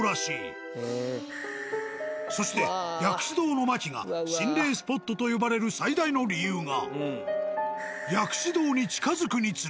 そして薬師堂のマキが心霊スポットと呼ばれる最大の理由が。